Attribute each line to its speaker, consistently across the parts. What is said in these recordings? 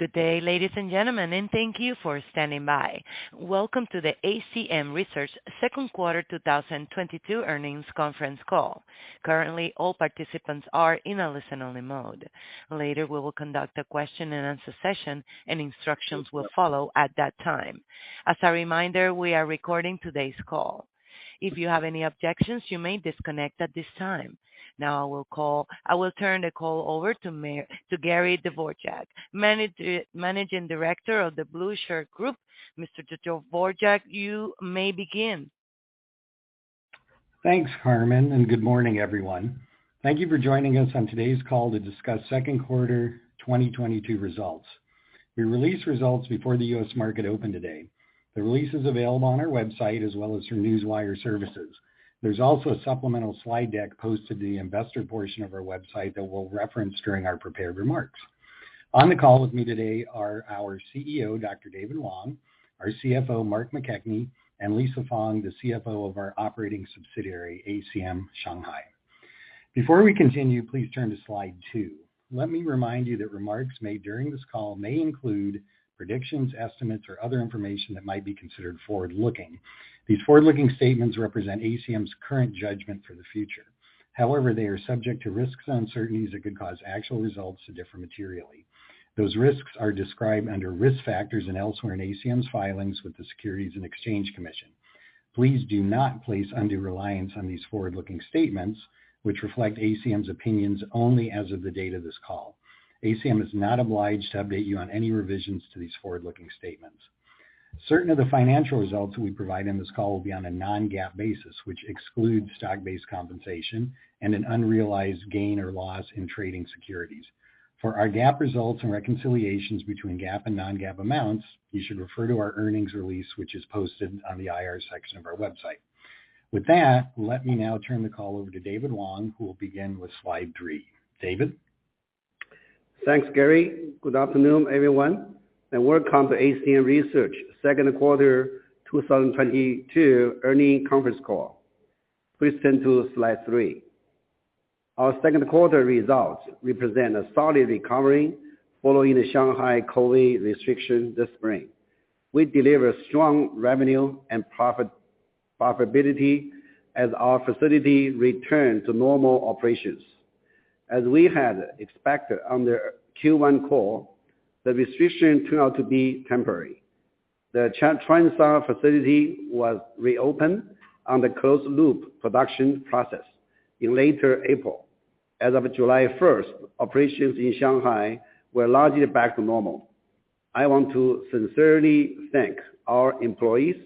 Speaker 1: Good day, ladies and gentlemen, and thank you for standing by. Welcome to the ACM Research second quarter 2022 earnings conference call. Currently, all participants are in a listen-only mode. Later, we will conduct a question and answer session, and instructions will follow at that time. As a reminder, we are recording today's call. If you have any objections, you may disconnect at this time. Now I will turn the call over to Gary Dvorchak, Managing Director of The Blueshirt Group. Mr. Dvorchak, you may begin.
Speaker 2: Thanks, Carmen, and good morning, everyone. Thank you for joining us on today's call to discuss second quarter 2022 results. We release results before the U.S. market open today. The release is available on our website as well as through newswire services. There's also a supplemental slide deck posted to the investor portion of our website that we'll reference during our prepared remarks. On the call with me today are our CEO, Dr. David Wang, our CFO, Mark McKechnie, and Lisa Feng, the CFO of our operating subsidiary, ACM Shanghai. Before we continue, please turn to slide two. Let me remind you that remarks made during this call may include predictions, estimates, or other information that might be considered forward-looking. These forward-looking statements represent ACM's current judgment for the future. However, they are subject to risks and uncertainties that could cause actual results to differ materially. Those risks are described under risk factors and elsewhere in ACM's filings with the Securities and Exchange Commission. Please do not place undue reliance on these forward-looking statements, which reflect ACM's opinions only as of the date of this call. ACM is not obliged to update you on any revisions to these forward-looking statements. Certain of the financial results we provide in this call will be on a non-GAAP basis, which excludes stock-based compensation and an unrealized gain or loss in trading securities. For our GAAP results and reconciliations between GAAP and non-GAAP amounts, you should refer to our earnings release, which is posted on the IR section of our website. With that, let me now turn the call over to David Wang, who will begin with slide three. David?
Speaker 3: Thanks, Gary. Good afternoon, everyone, and welcome to ACM Research second quarter 2022 earnings conference call. Please turn to slide three. Our second quarter results represent a solid recovery following the Shanghai COVID restrictions this spring. We delivered strong revenue and profitability as our facilities returned to normal operations. As we had expected on the Q1 call, the restrictions turned out to be temporary. The Chuansha facility was reopened on the closed-loop production process in late April. As of July 1st, operations in Shanghai were largely back to normal. I want to sincerely thank our employees,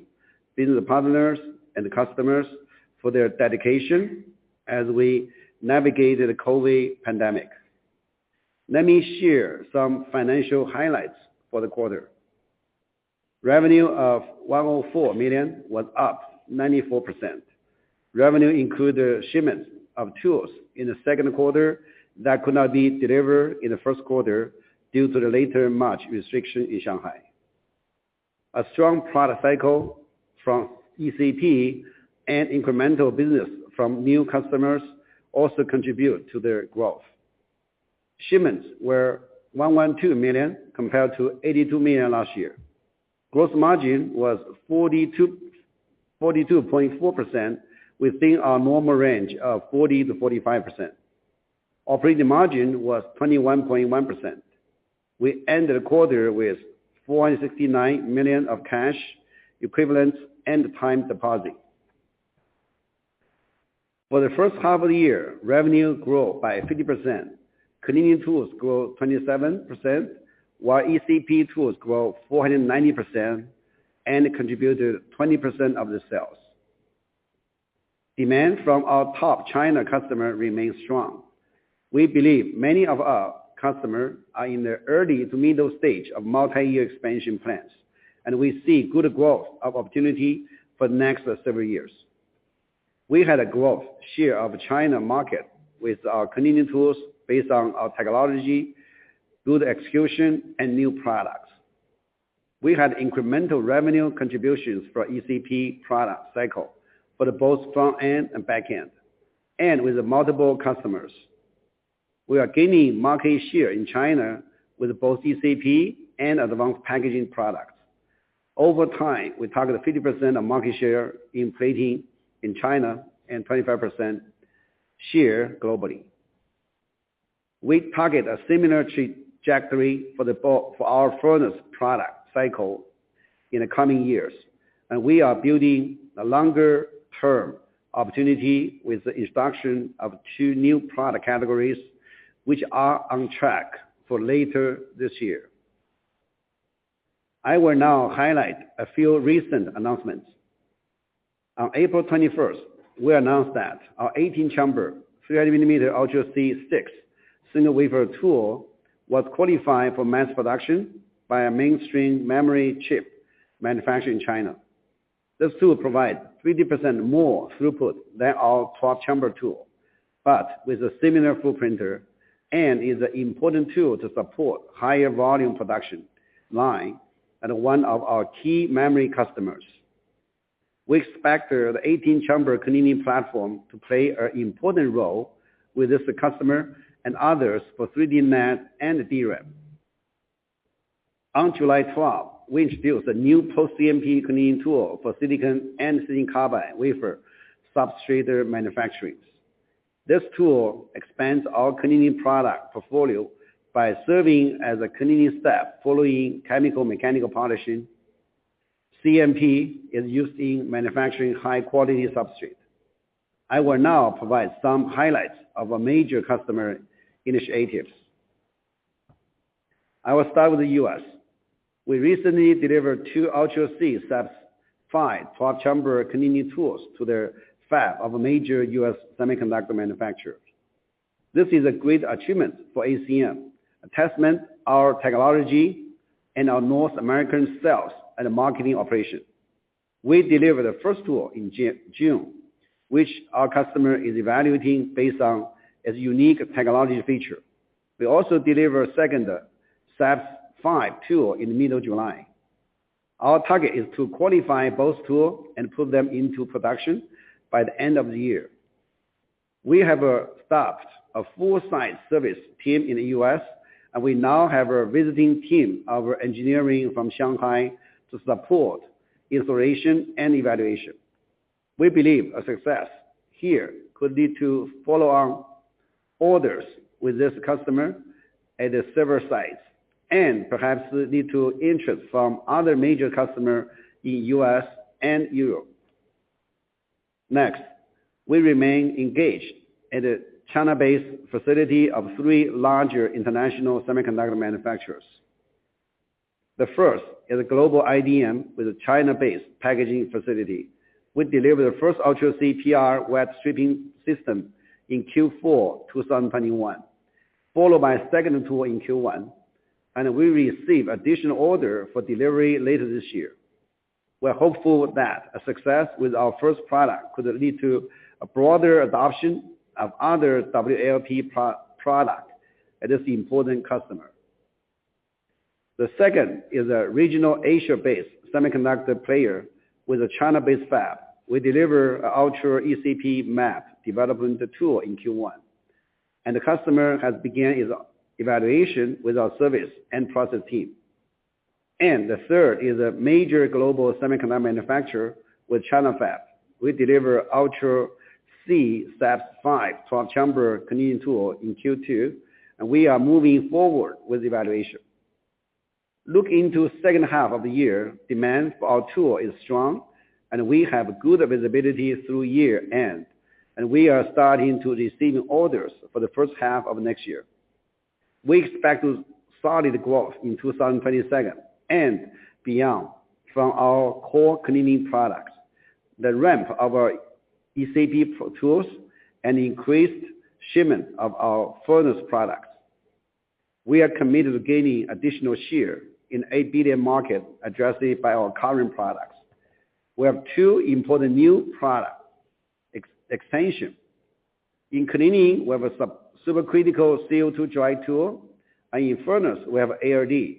Speaker 3: business partners, and customers for their dedication as we navigated the COVID pandemic. Let me share some financial highlights for the quarter. Revenue of $104 million was up 94%. Revenue includes the shipments of tools in the second quarter that could not be delivered in the first quarter due to the late March restriction in Shanghai. A strong product cycle from ECP and incremental business from new customers also contribute to their growth. Shipments were $112 million compared to $82 million last year. Gross margin was 42.4% within our normal range of 40%-45%. Operating margin was 21.1%. We ended the quarter with $469 million of cash equivalents and time deposit. For the first half of the year, revenue grow by 50%. Cleaning tools grow 27%, while ECP tools grow 490% and contribute to 20% of the sales. Demand from our top China customer remains strong. We believe many of our customers are in the early to middle stage of multi-year expansion plans, and we see good growth of opportunity for the next several years. We grew our share of China market with our cleaning tools based on our technology, good execution, and new products. We had incremental revenue contributions for ECP product cycle for both front end and back end, and with multiple customers. We are gaining market share in China with both ECP and advanced packaging products. Over time, we target 50% of market share in plating in China and 25% share globally. We target a similar trajectory for our furnace product cycle in the coming years, and we are building a longer-term opportunity with the introduction of two new product categories, which are on track for later this year. I will now highlight a few recent announcements. On April 21st, we announced that our 18-chamber, 300-millimeter Ultra C VI single-wafer tool was qualified for mass production by a mainstream memory chip manufacturer in China. This tool provide 30% more throughput than our 12-chamber tool, but with a similar footprint and is an important tool to support higher volume production line at one of our key memory customers. We expect the 18-chamber cleaning platform to play an important role with this customer and others for 3D NAND and DRAM. On July 12, we introduced a new post-CMP cleaning tool for silicon and silicon carbide wafer substrate manufacturers. This tool expands our cleaning product portfolio by serving as a cleaning step following chemical mechanical polishing. CMP is used in manufacturing high quality substrate. I will now provide some highlights of our major customer initiatives. I will start with the U.S. We recently delivered 2 Ultra-C SAPS-V 12-chamber cleaning tools to the fab of a major U.S. semiconductor manufacturer. This is a great achievement for ACM, a testament to our technology and our North American sales and marketing operation. We delivered the first tool in June, which our customer is evaluating based on its unique technology feature. We also deliver second SAPS-V tool in the middle of July. Our target is to qualify both tools and put them into production by the end of the year. We have staffed a full site service team in the U.S., and we now have a visiting team of engineering from Shanghai to support installation and evaluation. We believe a success here could lead to follow on orders with this customer at the server sites and perhaps lead to interest from other major customer in U.S. and Europe. Next, we remain engaged in the China-based facility of three larger international semiconductor manufacturers. The first is a global IDM with a China-based packaging facility. We delivered the first Ultra C PR wet stripping system in Q4, 2021, followed by a second tool in Q1, and we receive additional order for delivery later this year. We're hopeful that a success with our first product could lead to a broader adoption of other WLP products at this important customer. The second is a regional Asia-based semiconductor player with a China-based fab. We deliver a Ultra ECP map development tool in Q1, and the customer has began its evaluation with our service and process team. The third is a major global semiconductor manufacturer with China fab. We deliver Ultra C SAPS-V 12-chamber cleaning tool in Q2, and we are moving forward with evaluation. Looking to second half of the year, demand for our tool is strong, and we have good visibility through year-end, and we are starting to receive orders for the first half of next year. We expect solid growth in 2022 and beyond from our core cleaning products. The ramp of our ECP Pro tools and increased shipment of our furnace products. We are committed to gaining additional share in a $1 billion market addressed by our current products. We have two important new product expansions. In cleaning, we have a sub- and supercritical CO2 dry tool, and in furnace, we have ALD.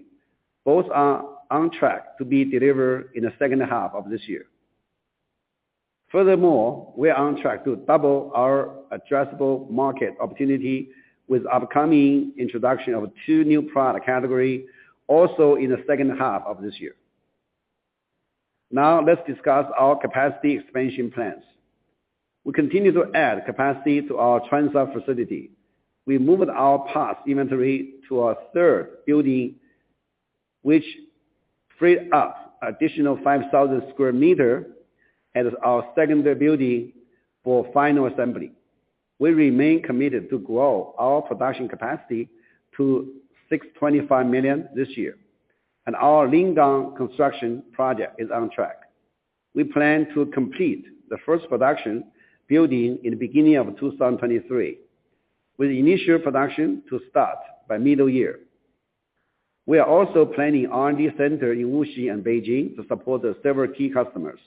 Speaker 3: Both are on track to be delivered in the second half of this year. Furthermore, we are on track to double our addressable market opportunity with upcoming introduction of two new product category also in the second half of this year. Now let's discuss our capacity expansion plans. We continue to add capacity to our Changzhou facility. We moved our parts inventory to a third building, which freed up additional 5,000 square meters at our secondary building for final assembly. We remain committed to grow our production capacity to $625 million this year, and our Lingang construction project is on track. We plan to complete the first production building in the beginning of 2023, with initial production to start by midyear. We are also planning R&D center in Wuxi and Beijing to support the several key customers,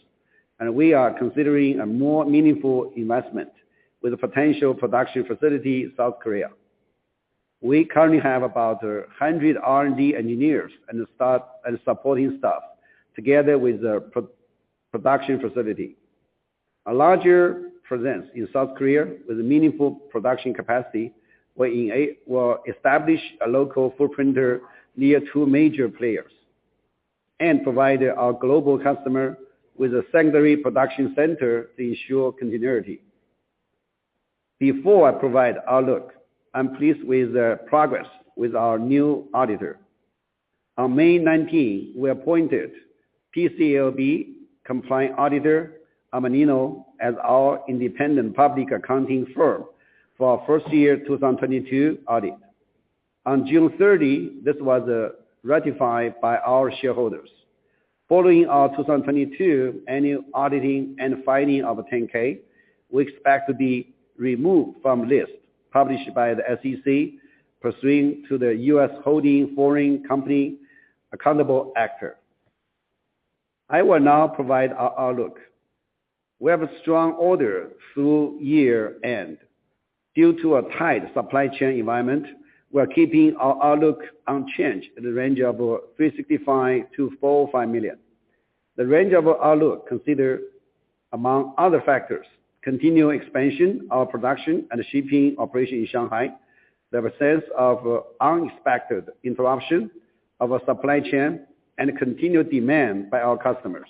Speaker 3: and we are considering a more meaningful investment with a potential production facility in South Korea. We currently have about 100 R&D engineers and staff and supporting staff together with the pre-production facility. A larger presence in South Korea with a meaningful production capacity will establish a local footprint near two major players and provide our global customer with a secondary production center to ensure continuity. Before I provide outlook, I'm pleased with the progress with our new auditor. On May 19, we appointed PCAOB-compliant auditor, Armanino, as our independent public accounting firm for our first-year 2022 audit. On June 30, this was ratified by our shareholders. Following our 2022 annual audit and filing of a 10-K, we expect to be removed from list published by the SEC pursuant to the U.S. Holding Foreign Companies Accountable Act. I will now provide our outlook. We have strong orders through year-end. Due to a tight supply chain environment, we are keeping our outlook unchanged in the range of $365 million-$405 million. The range of our outlook consider, among other factors, continued expansion of production and shipping operation in Shanghai, the absence of unexpected interruption of our supply chain, and continued demand by our customers.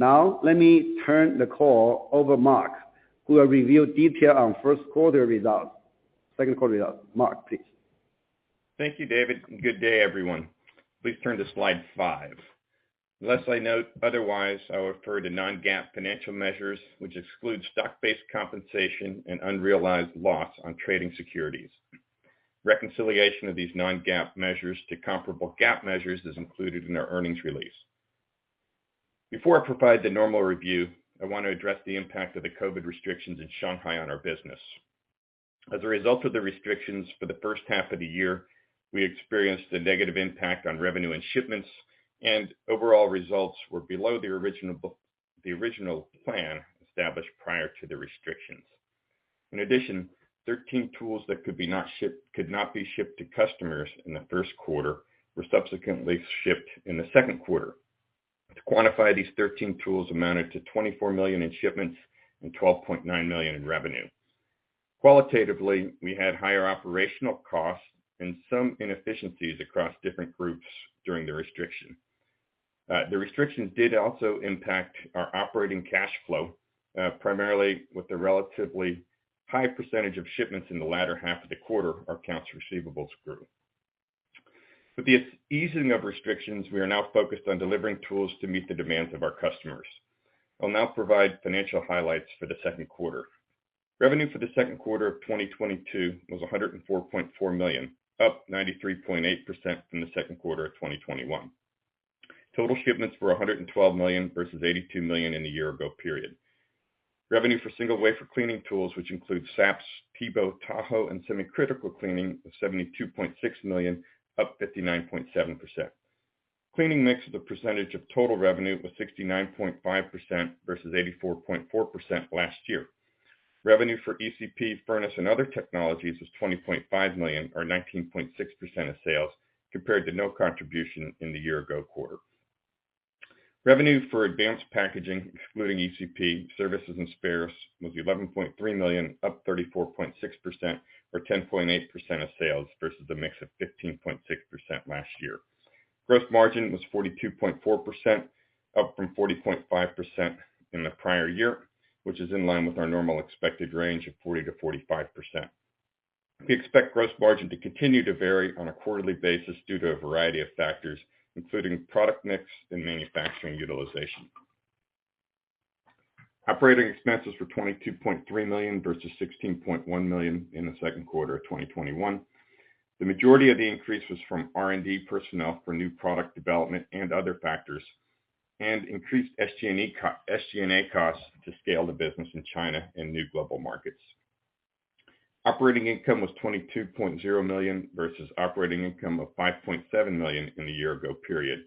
Speaker 3: Now let me turn the call over to Mark, who will review detail on first quarter results. Second quarter results. Mark, please.
Speaker 4: Thank you, David, and good day everyone. Please turn to slide five. Unless I note otherwise, I will refer to non-GAAP financial measures, which exclude stock-based compensation and unrealized loss on trading securities. Reconciliation of these non-GAAP measures to comparable GAAP measures is included in our earnings release. Before I provide the normal review, I want to address the impact of the COVID restrictions in Shanghai on our business. As a result of the restrictions for the first half of the year, we experienced a negative impact on revenue and shipments, and overall results were below the original plan established prior to the restrictions. In addition, 13 tools that could not be shipped to customers in the first quarter were subsequently shipped in the second quarter. To quantify, these 13 tools amounted to $24 million in shipments and $12.9 million in revenue. Qualitatively, we had higher operational costs and some inefficiencies across different groups during the restriction. The restrictions did also impact our operating cash flow, primarily with the relatively high percentage of shipments in the latter half of the quarter. Our accounts receivables grew. With the easing of restrictions, we are now focused on delivering tools to meet the demands of our customers. I'll now provide financial highlights for the second quarter. Revenue for the second quarter of 2022 was $104.4 million, up 93.8% from the second quarter of 2021. Total shipments were $112 million versus $82 million in the year ago period. Revenue for single wafer cleaning tools, which includes SAPs, TEBO, Tahoe, and Semi-critical cleaning was $72.6 million, up 59.7%. Cleaning mix as a percentage of total revenue was 69.5% versus 84.4% last year. Revenue for ECP, furnace, and other technologies was $20.5 million, or 19.6% of sales, compared to no contribution in the year ago quarter. Revenue for advanced packaging, excluding ECP, services and spares, was $11.3 million, up 34.6%, or 10.8% of sales versus a mix of 15.6% last year. Gross margin was 42.4%, up from 40.5% in the prior year, which is in line with our normal expected range of 40%-45%. We expect gross margin to continue to vary on a quarterly basis due to a variety of factors, including product mix and manufacturing utilization. Operating expenses were $22.3 million versus $16.1 million in the second quarter of 2021. The majority of the increase was from R&D personnel for new product development and other factors, and increased SG&A costs to scale the business in China and new global markets. Operating income was $22.0 million versus operating income of $5.7 million in the year ago period.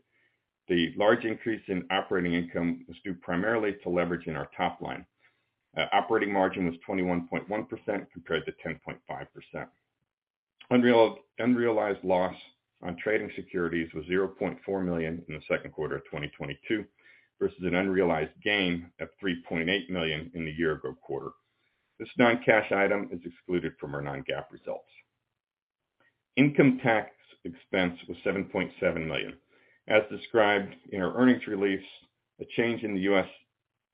Speaker 4: The large increase in operating income was due primarily to leverage in our top line. Operating margin was 21.1% compared to 10.5%. Unrealized loss on trading securities was $0.4 million in the second quarter of 2022, versus an unrealized gain of $3.8 million in the year ago quarter. This non-cash item is excluded from our non-GAAP results. Income tax expense was $7.7 million. As described in our earnings release, a change in the US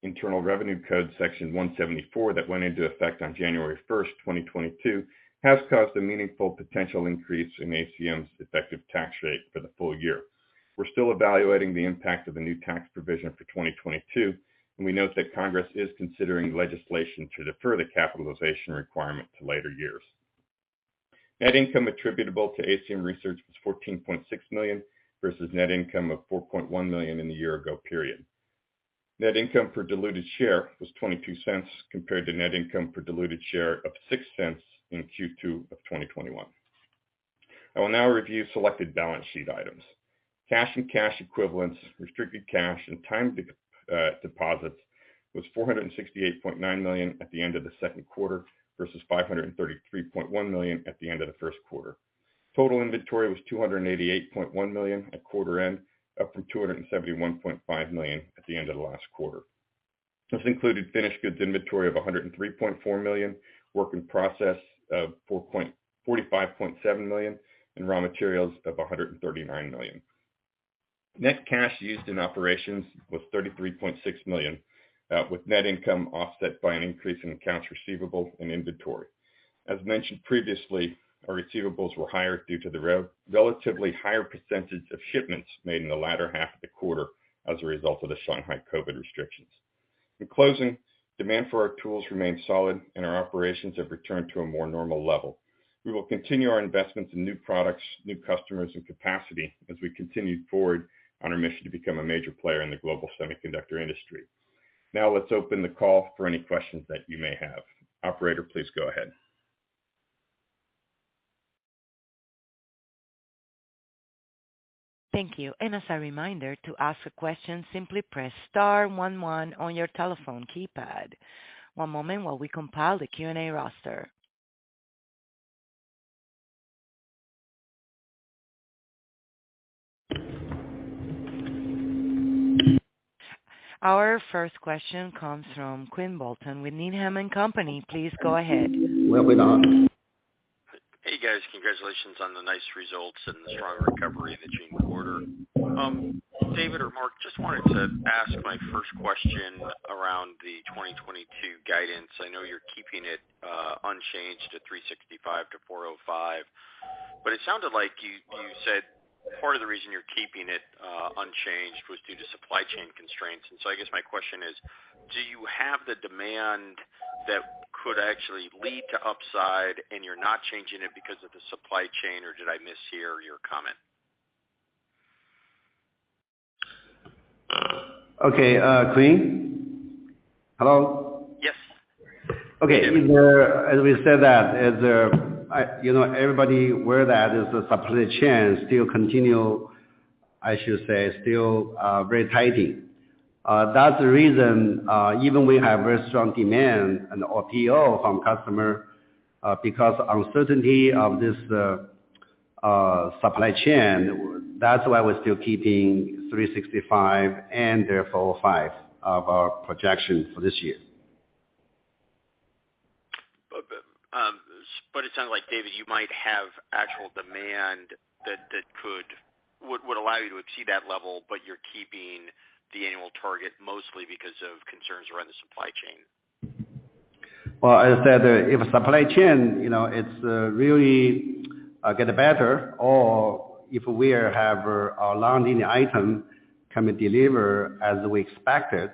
Speaker 4: Internal Revenue Code Section 174 that went into effect on January 1st, 2022, has caused a meaningful potential increase in ACM's effective tax rate for the full year. We're still evaluating the impact of the new tax provision for 2022, and we note that Congress is considering legislation to defer the capitalization requirement to later years. Net income attributable to ACM Research was $14.6 million, versus net income of $4.1 million in the year ago period. Net income per diluted share was $0.22, compared to net income per diluted share of $0.06 in Q2 of 2021. I will now review selected balance sheet items. Cash and cash equivalents, restricted cash, and time deposits was $468.9 million at the end of the second quarter, versus $533.1 million at the end of the first quarter. Total inventory was $288.1 million at quarter end, up from $271.5 million at the end of the last quarter. This included finished goods inventory of $103.4 million, work in process of $45.7 million, and raw materials of $139 million. Net cash used in operations was $33.6 million with net income offset by an increase in accounts receivable and inventory. As mentioned previously, our receivables were higher due to the relatively higher percentage of shipments made in the latter half of the quarter as a result of the Shanghai COVID restrictions. In closing, demand for our tools remains solid and our operations have returned to a more normal level. We will continue our investments in new products, new customers, and capacity as we continue forward on our mission to become a major player in the global semiconductor industry. Now let's open the call for any questions that you may have. Operator, please go ahead.
Speaker 1: Thank you. As a reminder, to ask a question, simply press star one one on your telephone keypad. One moment while we compile the Q&A roster. Our first question comes from Quinn Bolton with Needham & Company. Please go ahead.
Speaker 3: We're with on.
Speaker 5: Hey, guys. Congratulations on the nice results and the strong recovery in the June quarter. David or Mark, just wanted to ask my first question around the 2022 guidance. I know you're keeping it unchanged at $365 million-$405 million. It sounded like you said part of the reason you're keeping it unchanged was due to supply chain constraints. I guess my question is: do you have the demand that could actually lead to upside and you're not changing it because of the supply chain, or did I mishear your comment?
Speaker 3: Okay. Quinn. Hello?
Speaker 5: Yes.
Speaker 3: Okay. As we said that. You know, everybody aware that is the supply chain still continue, I should say, still very tight. That's the reason even we have very strong demand and PO from customer because uncertainty of this supply chain. That's why we're still keeping $365 million and therefore $405 million of our projections for this year.
Speaker 5: It sounds like, David, you might have actual demand that would allow you to exceed that level, but you're keeping the annual target mostly because of concerns around the supply chain.
Speaker 3: Well, as I said, if supply chain, you know, it's really get better or if we have our long-lead item can be delivered as we expected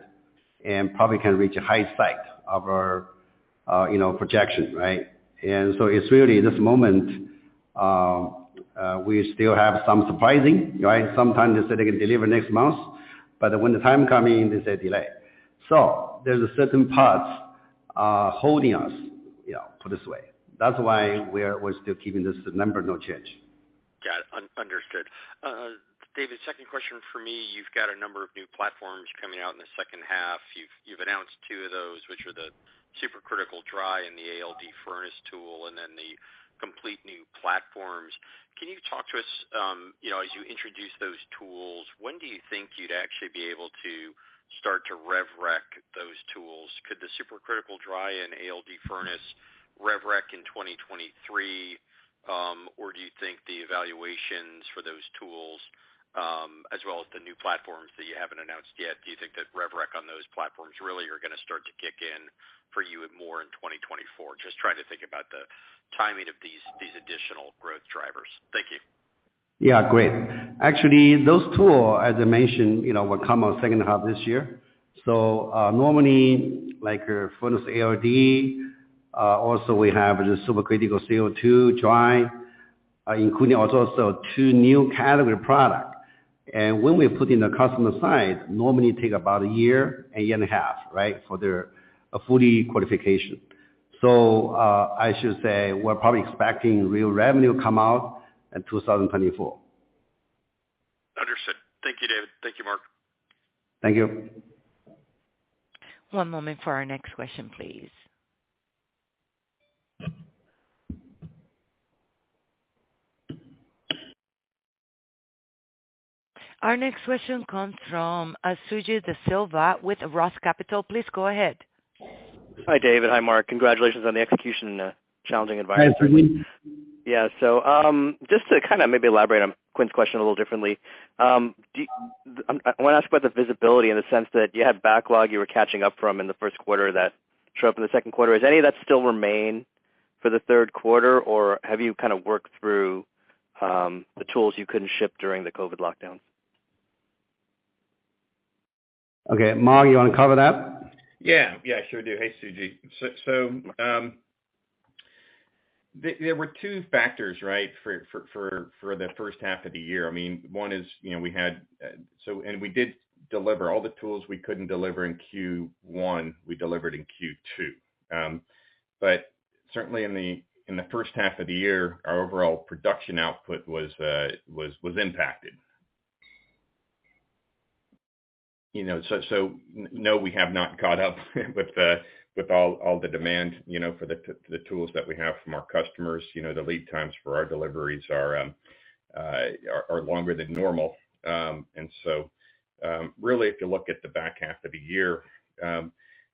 Speaker 3: and probably can reach a high side of our, you know, projection, right? It's really this moment, we still have some surprises, right? Sometimes they say they can deliver next month, but when the time comes, they say delay. So there's certain parts holding us, you know, to put this way. That's why we're still keeping this number no change.
Speaker 5: Got it. Understood. David, second question for me. You've got a number of new platforms coming out in the second half. You've announced two of those, which are the supercritical dry and the ALD furnace tool, and then the complete new platforms. Can you talk to us, you know, as you introduce those tools, when do you think you'd actually be able to start to rev rec those tools? Could the supercritical dry and ALD furnace rev rec in 2023? Or do you think the evaluations for those tools, as well as the new platforms that you haven't announced yet, do you think that rev rec on those platforms really are gonna start to kick in for you more in 2024? Just trying to think about the timing of these additional growth drivers. Thank you.
Speaker 3: Yeah, great. Actually, those two, as I mentioned, you know, will come on second half this year. Normally, like your furnace ALD, also we have the supercritical CO2 dry, including also two new category product. When we put in the customer side, normally take about a year, a year and a half, right, for their full qualification. I should say we're probably expecting real revenue come out in 2024.
Speaker 5: Understood. Thank you, David. Thank you, Mark.
Speaker 3: Thank you.
Speaker 1: One moment for our next question, please. Our next question comes from Suji Desilva with ROTH Capital. Please go ahead.
Speaker 6: Hi, David. Hi, Mark. Congratulations on the execution in a challenging environment.
Speaker 3: Hi, Suji.
Speaker 6: Yeah. Just to kind of maybe elaborate on Quinn's question a little differently. I want to ask about the visibility in the sense that you had backlog you were catching up from in the first quarter that showed up in the second quarter. Does any of that still remain for the third quarter, or have you kind of worked through the tools you couldn't ship during the COVID lockdown?
Speaker 3: Okay. Mark, you wanna cover that?
Speaker 4: Yeah. Yeah, sure do. Hey, Suji. There were two factors, right, for the first half of the year. I mean, one is, you know, we did deliver all the tools we couldn't deliver in Q1, we delivered in Q2. Certainly in the first half of the year, our overall production output was impacted. You know, so no, we have not caught up with all the demand, you know, for the tools that we have from our customers. You know, the lead times for our deliveries are longer than normal. Really, if you look at the back half of the year,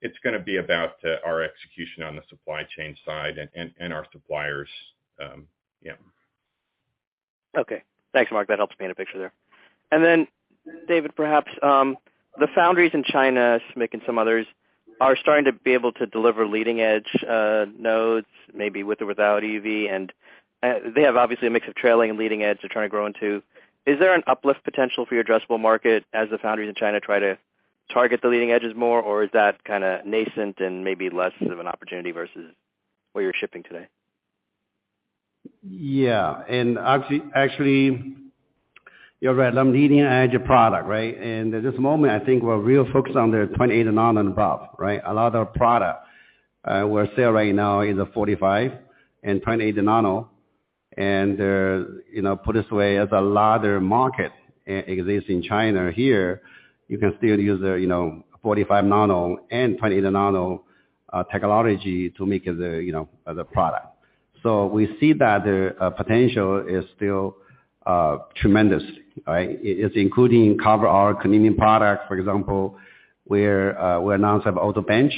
Speaker 4: it's gonna be about our execution on the supply chain side and our suppliers, yeah.
Speaker 6: Okay. Thanks, Mark. That helps paint a picture there. Then, David, perhaps, the foundries in China, SMIC and some others, are starting to be able to deliver leading edge, nodes, maybe with or without EUV, and, they have obviously a mix of trailing and leading edge they're trying to grow into. Is there an uplift potential for your addressable market as the foundries in China try to target the leading edges more, or is that kinda nascent and maybe less of an opportunity versus what you're shipping today?
Speaker 3: Yeah. Actually, you're right. Leading edge product, right? At this moment, I think we're really focused on the 28 and above, right? A lot of product we sell right now is the 45. 28 nano and, you know, put this way, as a larger market exists in China here, you can still use the, you know, 45 nano and 28 nano technology to make the, you know, the product. So we see that the potential is still tremendous, right? It's including our cleaning product, for example, where we announced the Auto Bench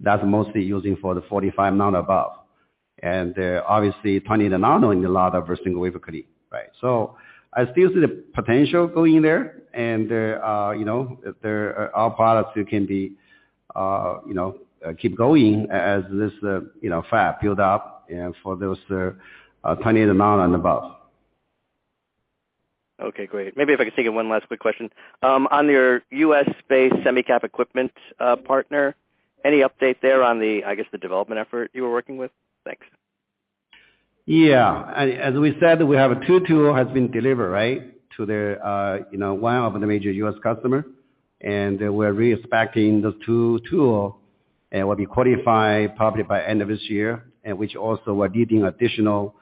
Speaker 3: that's mostly used for the 45 nano above. Obviously, 20 nano in a lot of our single wafer clean, right? I still see the potential going there and there, you know, there are products who can be, you know, keep going as this, you know, fab build up and for those, 20 nano and above.
Speaker 6: Okay, great. Maybe if I could take one last quick question. On your U.S.-based semiconductor equipment partner, any update there on the, I guess, the development effort you were working with? Thanks.
Speaker 3: Yeah. As we said, we have two tools has been delivered, right? To the, you know, one of the major U.S. customer, and we're inspecting those two tools, and will be qualified probably by end of this year, and which also we're needing additional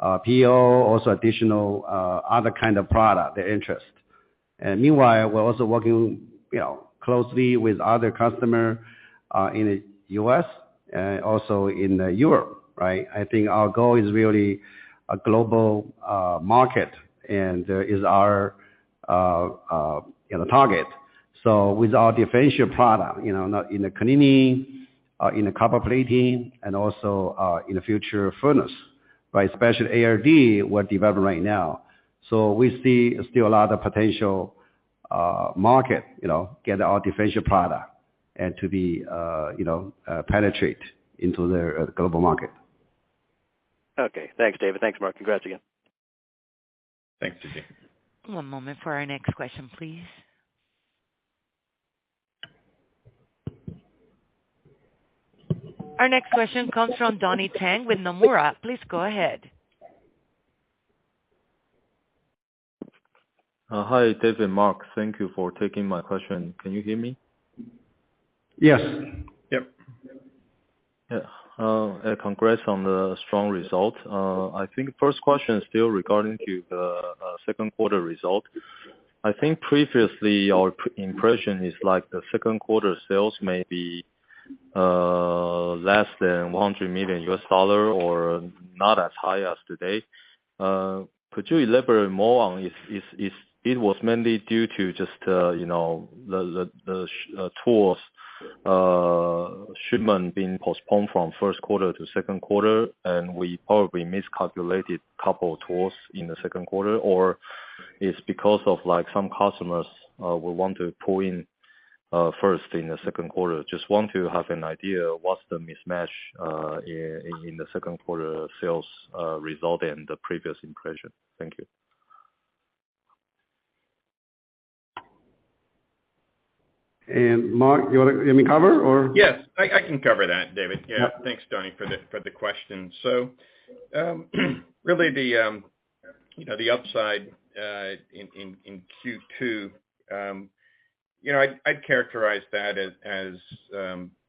Speaker 3: PO, also additional other kind of product they're interested. Meanwhile, we're also working, you know, closely with other customer in the U.S., also in Europe, right? I think our goal is really a global market and is our, you know, target. So with our differentiated product, you know, in the cleaning, in the copper plating, and also in the future furnace by special ALD, we're developing right now. We see still a lot of potential market, you know, get our differentiated product and to be, you know, penetrate into the global market.
Speaker 6: Okay. Thanks, David. Thanks, Mark. Congrats again.
Speaker 4: Thanks.
Speaker 1: One moment for our next question, please. Our next question comes from Donnie Teng with Nomura. Please go ahead.
Speaker 7: Hi, David, Mark. Thank you for taking my question. Can you hear me?
Speaker 3: Yes.
Speaker 4: Yep.
Speaker 7: Yeah. Congrats on the strong result. I think first question is still regarding the second quarter result. I think previously our impression is like the second quarter sales may be less than $100 million or not as high as today. Could you elaborate more on if it was mainly due to just, you know, the tools shipment being postponed from first quarter to second quarter, and we probably miscalculated a couple of tools in the second quarter? Or it's because of like, some customers will want to pull in first in the second quarter. Just want to have an idea what's the mismatch in the second quarter sales result in the previous impression. Thank you.
Speaker 3: Mark, you wanna let me cover or?
Speaker 4: Yes, I can cover that, David. Yeah.
Speaker 3: Yep.
Speaker 4: Thanks, Donnie, for the question. Really, the upside in Q2, you know, I'd characterize that as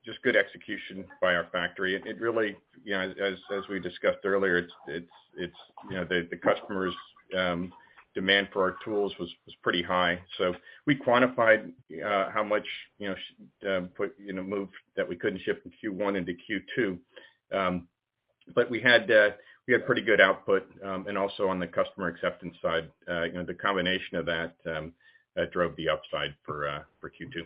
Speaker 4: just good execution by our factory. It really, you know, as we discussed earlier, it's the customers' demand for our tools was pretty high. We quantified how much, you know, that we couldn't ship from Q1 into Q2. We had pretty good output, and also on the customer acceptance side, you know, the combination of that drove the upside for Q2.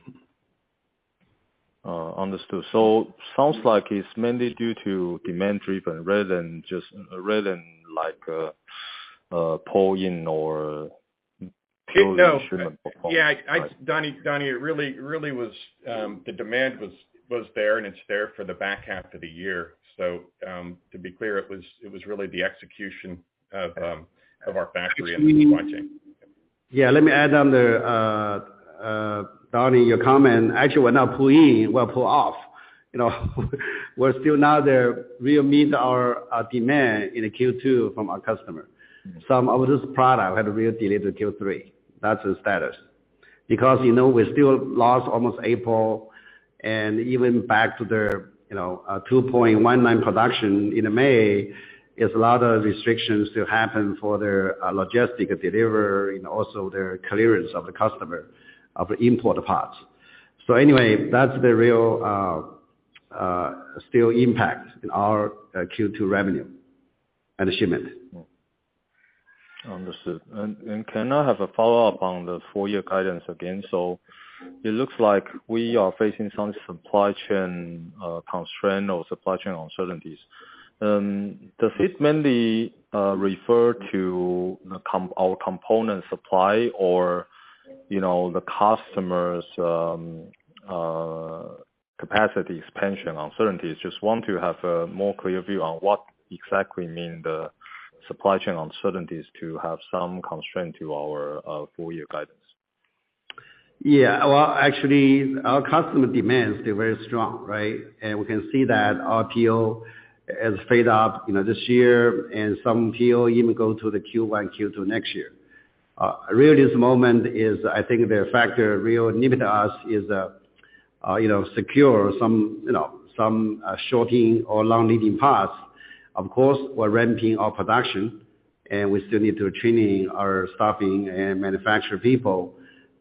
Speaker 7: Understood. Sounds like it's mainly due to demand driven rather than just, like, pull-in or-
Speaker 4: No.
Speaker 7: Shipment performance.
Speaker 4: Yeah. I, Donnie, it really was the demand was there, and it's there for the back half of the year. To be clear, it was really the execution of our factory and the supply chain.
Speaker 3: Yeah. Let me add on there, Donnie, your comment. Actually, we're not pull-in, we're pull off. You know, we're still not there, we'll meet our demand in the Q2 from our customer. Some of this product had to be delivered Q3. That's the status. Because, you know, we still lost almost April, and even back to the, you know, 2.0 online production in May, there's a lot of restrictions to happen for the logistic delivery and also the clearance of the customer of the import parts. So anyway, that's the real still impact in our Q2 revenue and shipment.
Speaker 7: Understood. Can I have a follow-up on the full year guidance again? It looks like we are facing some supply chain constraint or supply chain uncertainties. Does it mainly refer to our component supply or, you know, the customers' capacity expansion uncertainties? Just want to have a more clear view on what exactly mean the supply chain uncertainties to have some constraint to our full year guidance.
Speaker 3: Yeah. Well, actually, our customer demands, they're very strong, right? We can see that our PO has straight up, you know, this year, and some PO even go to the Q1, Q2 next year. I think the factor that really limits us is, you know, securing some short or long lead times. Of course, we're ramping our production, and we still need to train our staff and manufacturing people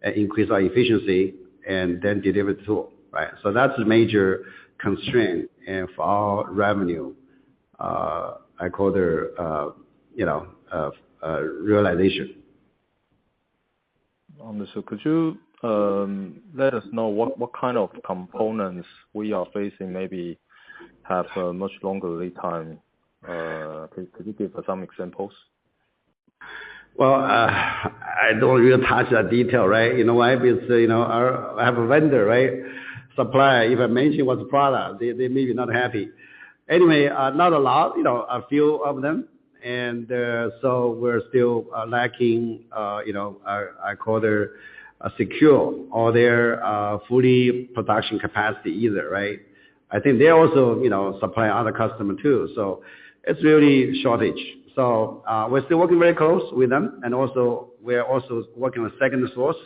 Speaker 3: and increase our efficiency and then deliver the tool, right? That's a major constraint and for our revenue realization.
Speaker 7: Could you let us know what kind of components we are facing maybe have a much longer lead time? Could you give some examples?
Speaker 3: Well, I don't really touch that detail, right? You know why? Because, you know, I have a vendor, right? Supplier. If I mention what's the product, they may be not happy. Anyway, not a lot, you know, a few of them. So we're still lacking, you know, I call their secure or their fully production capacity either, right? I think they also, you know, supply other customer too. So it's really shortage. So, we're still working very close with them, and we are working with second source.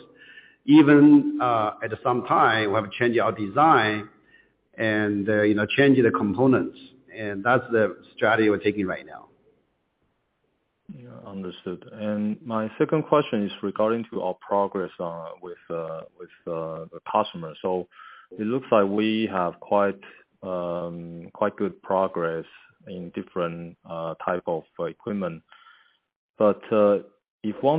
Speaker 3: Even at some time, we have changed our design and, you know, changing the components, and that's the strategy we're taking right now.
Speaker 7: Yeah. Understood. My second question is regarding to our progress with the customer. It looks like we have quite good progress in different type of equipment. If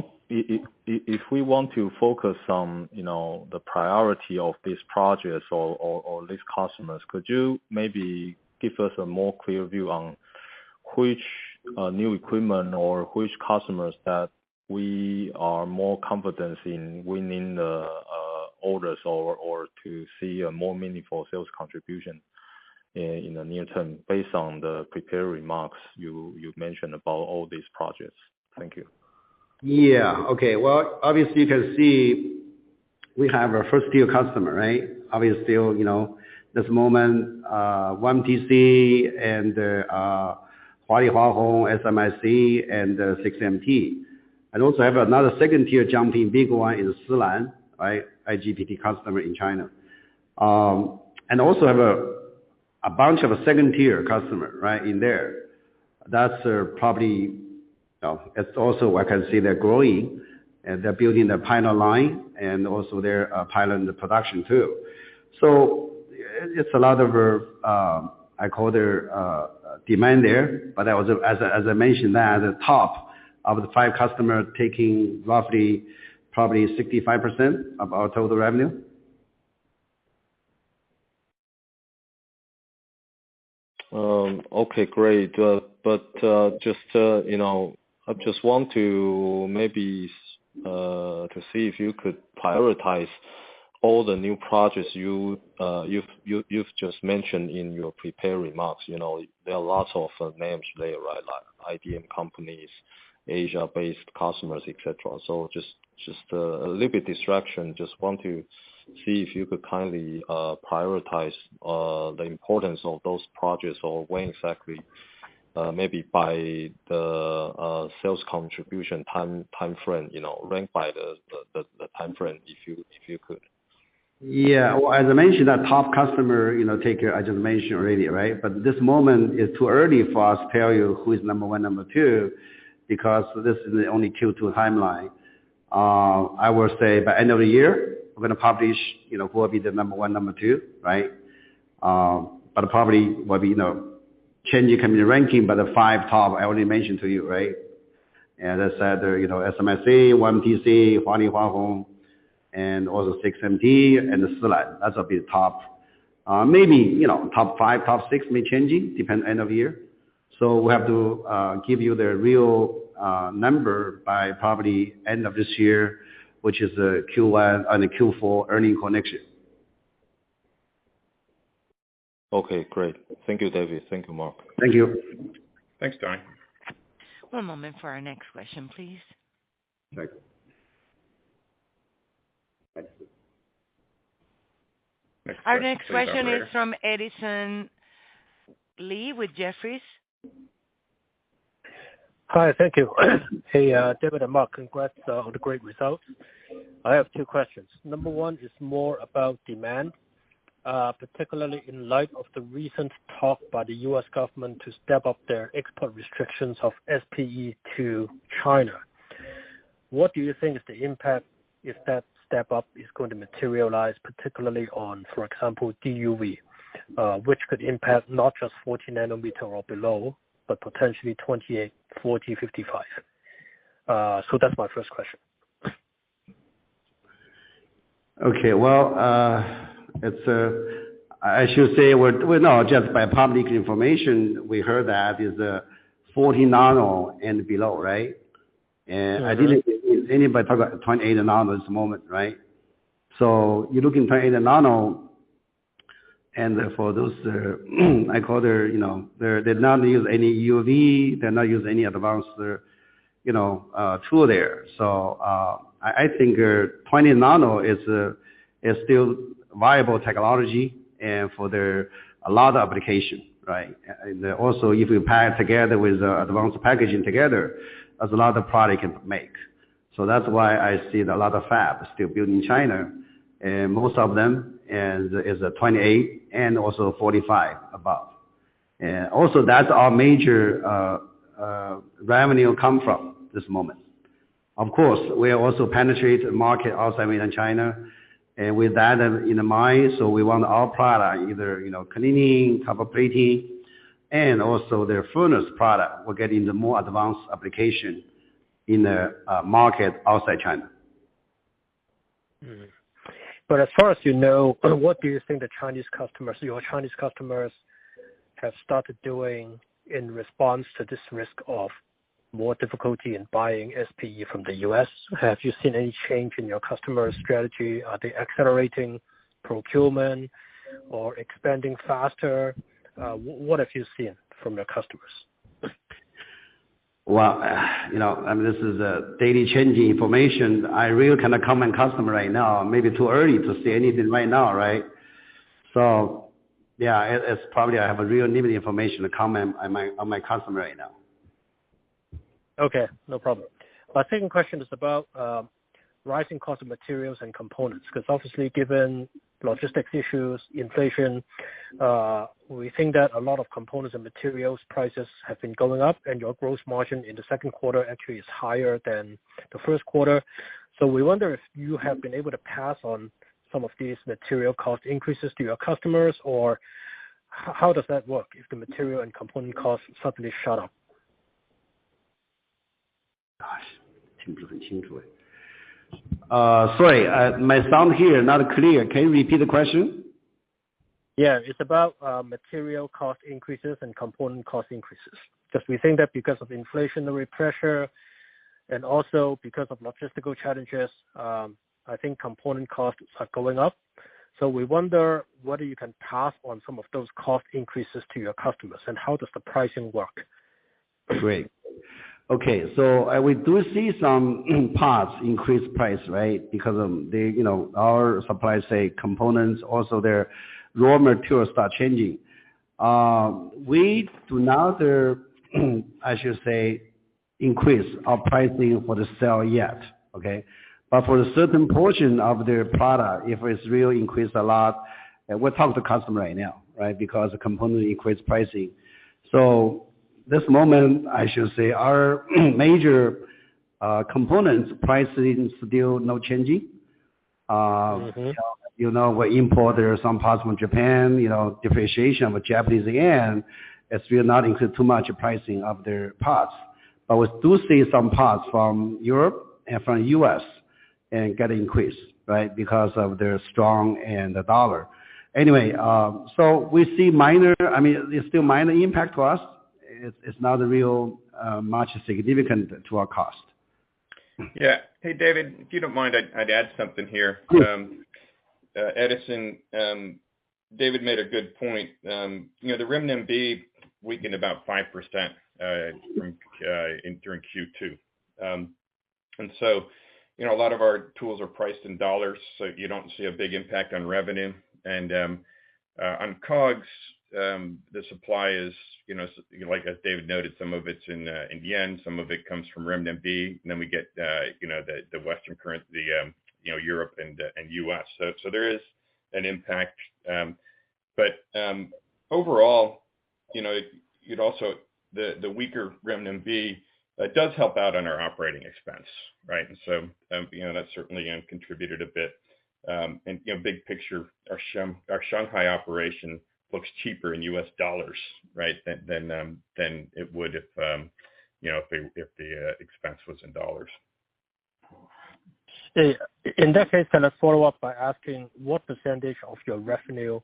Speaker 7: we want to focus on, you know, the priority of these projects or these customers, could you maybe give us a more clear view on which new equipment or which customers that we are more confident in winning the orders or to see a more meaningful sales contribution in the near term based on the prepared remarks you mentioned about all these projects? Thank you.
Speaker 3: Yeah. Okay. Well, obviously you can see we have our first tier customer, right? Obviously, you know, this moment, YMTC and Huawei, Hua Hong, SMIC, and SXMT. I also have another second tier jumping big one is Silan, right? IGBT customer in China. And also have a bunch of second-tier customer, right, in there. That's probably. Well, it's also, I can see they're growing, and they're building their pilot line and also their pilot production too. It's a lot of demand there. But as I mentioned that at the top of the five customers taking roughly probably 65% of our total revenue.
Speaker 7: Okay. Great. Just to, you know, I just want to maybe to see if you could prioritize all the new projects you've just mentioned in your prepared remarks. You know, there are lots of names there, right? Like IDM companies, Asia-based customers, et cetera. Just a little bit distraction. Just want to see if you could kindly prioritize the importance of those projects or when exactly, maybe by the sales contribution time, timeframe, you know, ranked by the timeframe if you could.
Speaker 3: Yeah. Well, as I mentioned, that top customer, I just mentioned already, right? This moment is too early for us to tell you who is number one, number two, because this is the only Q2 timeline. I will say by end of the year, we're gonna publish who will be the number one, number two, right? But probably will be changing can be the ranking, but the five top I already mentioned to you, right? As I said, SMIC, YMTC, Huawei, Hua Hong, and also SXMT and the Silan. That will be top. Maybe top five, top six may changing depend end of year. We have to give you the real number by probably end of this year, which is Q1 and the Q4 earnings conference.
Speaker 7: Okay, great. Thank you, David. Thank you, Mark.
Speaker 3: Thank you.
Speaker 4: Thanks, Donnie.
Speaker 1: One moment for our next question, please.
Speaker 2: Thanks. Next question.
Speaker 1: Our next question is from Edison Lee with Jefferies.
Speaker 8: Hi. Thank you. Hey, David and Mark. Congrats on the great results. I have two questions. Number one is more about demand, particularly in light of the recent talk by the U.S. government to step up their export restrictions of SPE to China. What do you think is the impact if that step up is going to materialize, particularly on, for example, DUV, which could impact not just 40 nanometer or below, but potentially 28, 40, 55. So that's my first question.
Speaker 3: Okay. Well, it's, I should say we're not just by public information, we heard that is, 40 nano and below, right? I didn't hear anybody talk about 28 nano this moment, right? You look in 28 nano, and for those caliber, you know, they're, they not use any EUV. They're not use any advanced, you know, tool there. I think, 20 nano is still viable technology and for a lot of application, right? If you pair it together with advanced packaging together, there's a lot of product can make. That's why I see a lot of fabs still built in China, and most of them is, 28 and also 45 above. That's our major revenue come from this moment. Of course, we are also penetrate market outside within China. With that in mind, so we want our product either, you know, cleaning, copper plating, and also their furnace product. We're getting the more advanced application in the market outside China.
Speaker 8: Mm-hmm. As far as you know, what do you think the Chinese customers, your Chinese customers have started doing in response to this risk of more difficulty in buying SPE from the US? Have you seen any change in your customer strategy? Are they accelerating procurement or expanding faster? What have you seen from your customers?
Speaker 3: Well, you know, I mean, this is daily changing information. I really cannot comment customer right now. Maybe too early to say anything right now, right? Yeah, it's probably I have a real limited information to comment on my customer right now.
Speaker 8: Okay, no problem. My second question is about rising cost of materials and components, because obviously, given logistics issues, inflation, we think that a lot of components and materials prices have been going up, and your gross margin in the second quarter actually is higher than the first quarter. We wonder if you have been able to pass on some of these material cost increases to your customers, or how does that work if the material and component costs suddenly shot up?
Speaker 3: Gosh. Sorry, my sound here not clear. Can you repeat the question?
Speaker 8: Yeah. It's about material cost increases and component cost increases, because we think that because of inflationary pressure and also because of logistical challenges, I think component costs are going up. We wonder whether you can pass on some of those cost increases to your customers, and how does the pricing work?
Speaker 3: Great. Okay. We do see some parts increase price, right? Because they, you know, our suppliers say components, also their raw materials start changing. We do not, I should say, increase our pricing for the sale yet. Okay? But for a certain portion of their product, if it's really increased a lot, we'll talk to customer right now, right? Because the component increase pricing. This moment, I should say, our major components pricing is still no changing.
Speaker 8: Mm-hmm.
Speaker 3: You know, we import some parts from Japan, you know, depreciation of the Japanese yen is still not including too much pricing of their parts. We do see some parts from Europe and from U.S., get increased, right? Because of their strength and the dollar. Anyway, we see minor, I mean, it's still minor impact to us. It's not really much significant to our cost.
Speaker 4: Yeah. Hey, David, if you don't mind, I'd add something here.
Speaker 3: Sure.
Speaker 4: Edison, David made a good point. You know, the renminbi weakened about 5% during Q2. You know, a lot of our tools are priced in dollars, so you don't see a big impact on revenue. On COGS, the supply is, you know, like as David noted, some of it's in yen, some of it comes from renminbi, and then we get, you know, the Western currency, you know, Europe and the US. There is an impact. Overall, you know, the weaker renminbi does help out on our operating expense, right? You know, that's certainly contributed a bit. You know, big picture, our Shanghai operation looks cheaper in US dollars, right? Than it would if, you know, if the expense was in dollars.
Speaker 8: Okay. In that case, can I follow up by asking what percentage of your revenue,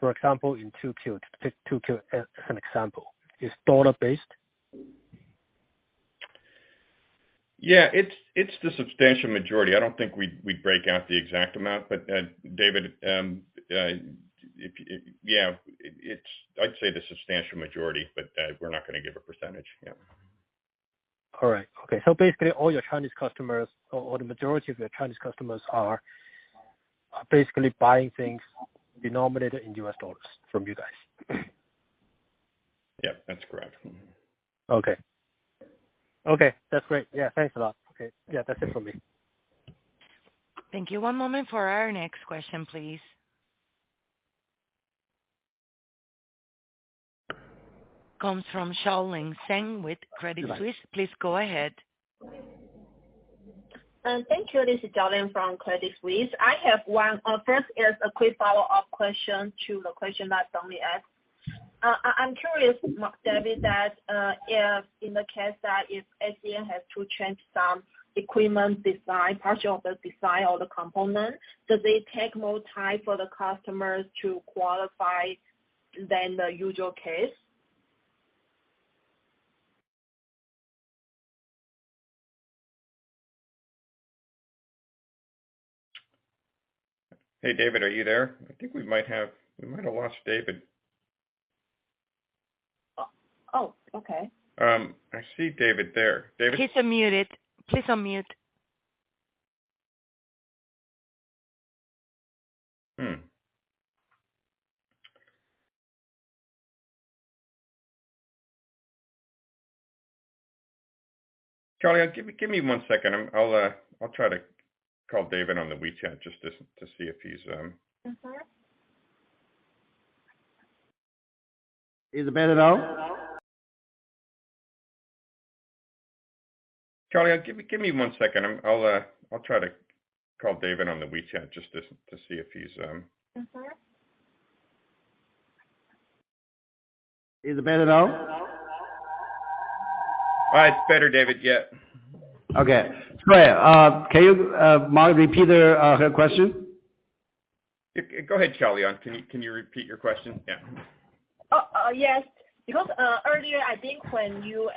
Speaker 8: for example, in 2Q, take 2Q as an example, is dollar based?
Speaker 4: Yeah. It's the substantial majority. I don't think we'd break out the exact amount. Yeah. It's, I'd say, the substantial majority, but we're not gonna give a percentage. Yeah.
Speaker 8: Basically, all your Chinese customers or the majority of your Chinese customers are basically buying things denominated in U.S. dollars from you guys.
Speaker 4: Yeah, that's correct. Mm-hmm.
Speaker 8: Okay. Okay. That's great. Yeah. Thanks a lot. Okay. Yeah, that's it for me.
Speaker 1: Thank you. One moment for our next question, please. Comes from Chao Lien Tseng with Credit Suisse. Please go ahead.
Speaker 9: Thank you. This is Chao Lien from Credit Suisse. I have one. First is a quick follow-up question to the question that Tommy asked. I'm curious, David, if in the case that if ACM has to change some equipment design, part of the design or the component, does it take more time for the customers to qualify than the usual case?
Speaker 4: Hey, David, are you there? I think we might have lost David.
Speaker 9: Oh. Oh, okay.
Speaker 4: I see David there.
Speaker 1: Please unmute it. Please unmute.
Speaker 4: Chao Lien, give me one second. I'll try to call David on the WeChat just to see if he's.
Speaker 9: Mm-hmm.
Speaker 3: Is it better now?
Speaker 4: Chao Lien, give me one second. I'll try to call David on the WeChat just to see if he's
Speaker 9: Mm-hmm.
Speaker 3: Is it better now?
Speaker 4: It's better, David, yeah.
Speaker 3: Okay. Great. Can you, Mark, repeat her question?
Speaker 4: Go ahead, Chao Lien. Can you repeat your question? Yeah.
Speaker 9: Yes. Because earlier I think when you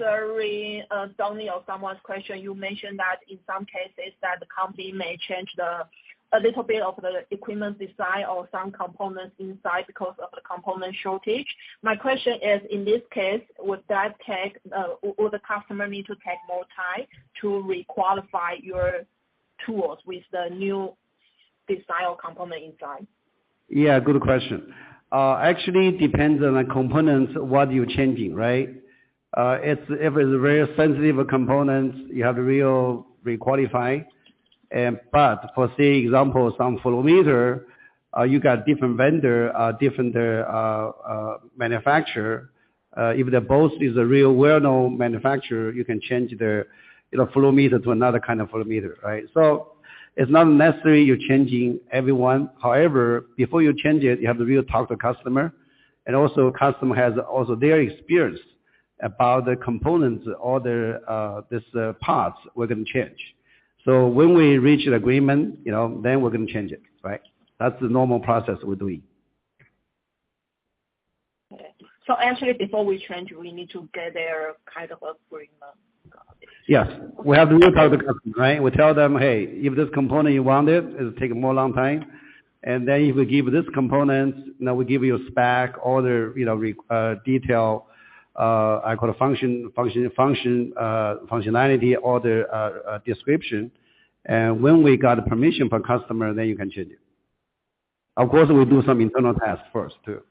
Speaker 9: answering, Donnie or someone's question, you mentioned that in some cases that the company may change a little bit of the equipment design or some components inside because of the component shortage. My question is, in this case, would that take or would the customer need to take more time to re-qualify your tools with the new design or component inside?
Speaker 3: Yeah.
Speaker 4: Can you repeat your question? Yeah.
Speaker 9: Yes. Earlier I think when you answering, Donnie or someone's question, you mentioned that in some cases that the company may change a little bit of the equipment design or some components inside because of the component shortage. My question is, in this case, would that take or would the customer need to take more time to re-qualify your tools with the new design or component inside?
Speaker 3: Yeah, good question. Actually, it depends on the components, what you're changing, right? If it's very sensitive components, you have to re-qualify. But for, say, example, some flow meter, you got different vendor, different manufacturer. If they're both real well-known manufacturers, you can change the, you know, flow meter to another kind of flow meter, right? It's not necessary you're changing every one. However, before you change it, you have to really talk to the customer. The customer has also their experience about the components or these parts we're gonna change. When we reach an agreement, you know, then we're gonna change it, right? That's the normal process we're doing.
Speaker 9: Okay. Actually before we change, we need to get their kind of agreement. Got it.
Speaker 3: Yes. We have to really talk to customer, right? We tell them, "Hey, if this component you wanted, it'll take more long time. Then if we give this component, now we give you a spec, all the, you know, detail, I call function, functionality or the, description." When we got permission from customer, then you can change it. Of course, we'll do some internal tests first too.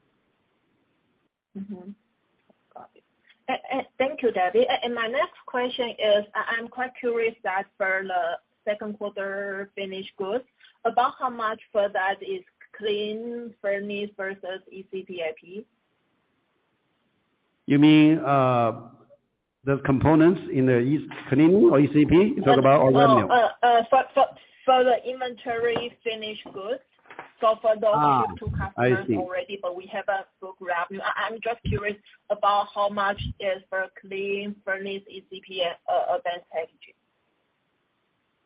Speaker 9: Thank you, David. My next question is, I'm quite curious that for the second quarter finished goods, about how much for that is clean furnace versus ECP IP?
Speaker 3: You mean, the components in the cleaning or ECP? You talk about all the new.
Speaker 9: For the inventory finished goods. For those-
Speaker 3: Ah.
Speaker 9: two customers already.
Speaker 3: I see.
Speaker 9: We have a program. I'm just curious about how much is for cleaning, furnace, ECP, then packaging?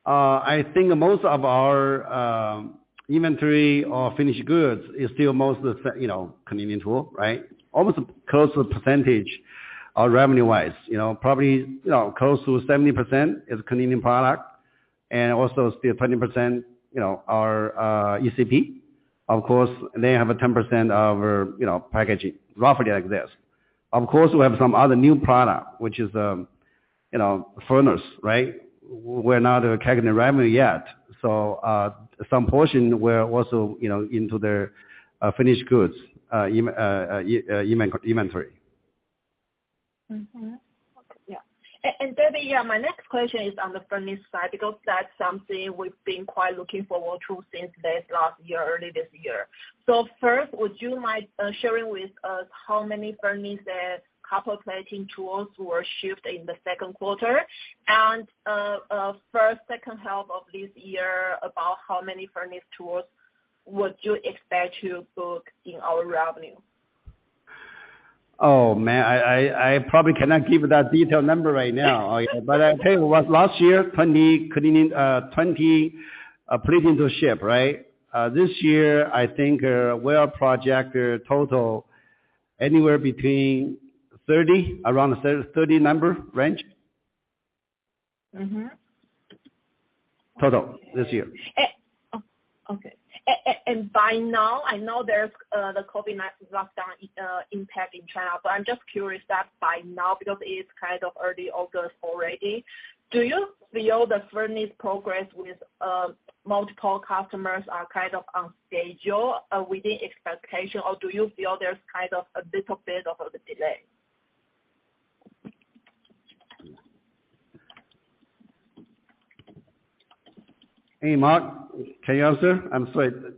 Speaker 3: I think most of our inventory or finished goods is still most of the cleaning tool, right? Almost close to percentage or revenue-wise, you know, probably, you know, close to 70% is cleaning product and also still 20% are ECP. Of course, they have a 10% of packaging, roughly like this. Of course, we have some other new product, which is furnace, right? We're not calculating the revenue yet. Some portion we're also, you know, into the finished goods inventory.
Speaker 9: Mm-hmm. Yeah. David, yeah, my next question is on the furnace side, because that's something we've been quite looking forward to since late last year, early this year. First, would you mind sharing with us how many copper plating tools were shipped in the second quarter? For second half of this year, about how many furnace tools would you expect to book in our revenue?
Speaker 3: Oh, man, I probably cannot give that detailed number right now. I tell you what, last year, 20 cleaning and 20 plating tools shipped, right? This year, I think, we'll project a total anywhere between 30, around the 30 number range.
Speaker 9: Mm-hmm.
Speaker 3: Total this year.
Speaker 9: Oh. Okay. By now, I know there's the COVID lockdown impact in China, but I'm just curious that by now, because it's kind of early August already, do you feel the furnace progress with multiple customers are kind of on schedule within expectation, or do you feel there's kind of a little bit of a delay?
Speaker 3: Hey, Mark, can you answer? I'm sorry. The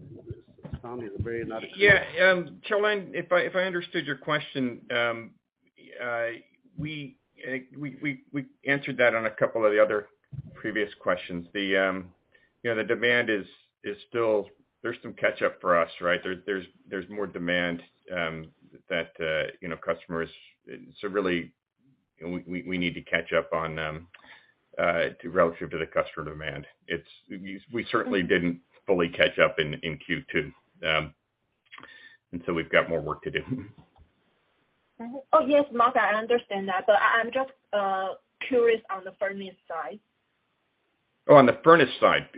Speaker 3: sound is very not clear.
Speaker 4: Yeah. Chao Lien, if I understood your question, we answered that on a couple of the other previous questions. You know, the demand is still. There's some catch-up for us, right? There's more demand that you know, customers. Really, we need to catch up relative to the customer demand. It's. We certainly didn't fully catch up in Q2. We've got more work to do.
Speaker 9: Oh, yes, Mark, I understand that, but I'm just curious on the furnace side.
Speaker 4: Oh, on the furnace side.